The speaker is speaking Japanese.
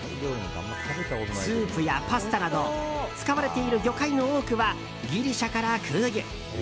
スープやパスタなど使われている魚介の多くはギリシャから空輸。